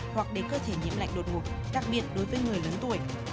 hoặc để cơ thể nhiễm lạnh đột ngột đặc biệt đối với người lớn tuổi